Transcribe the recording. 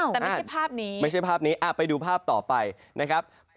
แต่ไม่ใช่ภาพนี้ไม่ใช่ภาพนี้ไปดูภาพต่อไปนะครับ